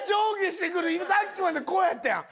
さっきまでこうやったやん！